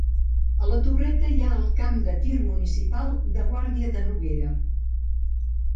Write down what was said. A la Torreta hi ha el Camp de tir municipal de Guàrdia de Noguera.